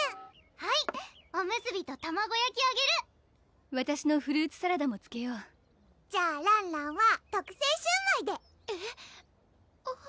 はいおむすびとたまご焼きあげるわたしのフルーツサラダもつけようじゃあらんらんは特製シューマイでえっ？